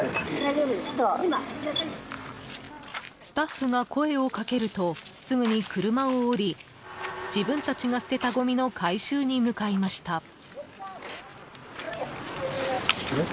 スタッフが声をかけるとすぐに車を降り自分たちが捨てたごみの回収に向かいました。